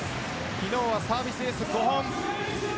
昨日はサービスエース５本。